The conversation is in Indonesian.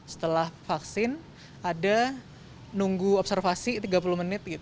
setelah vaksin ada nunggu observasi tiga puluh menit